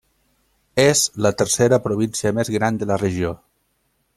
És la tercera província més gran de la regió.